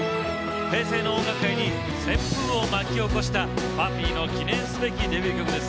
平成の音楽界に旋風を巻き起こしたＰＵＦＦＹの記念すべきデビュー曲です